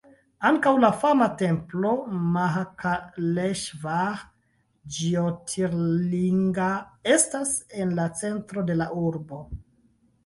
Ankaŭ la fama templo Mahakaleŝvar Ĝjotirlinga estas en la centro de la urbo.